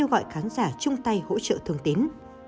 kêu gọi khán giả chung tay hỗ trợ thương tín